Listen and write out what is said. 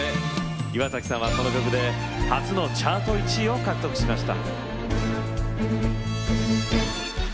岩崎さんはこの曲で初のチャート１位を獲得しました。